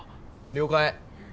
了解。